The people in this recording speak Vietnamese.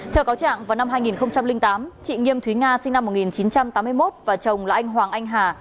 theo cáo trạng vào năm hai nghìn tám chị nghiêm thúy nga sinh năm một nghìn chín trăm tám mươi một và chồng là anh hoàng anh hà